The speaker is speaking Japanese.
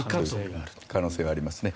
可能性はありますね。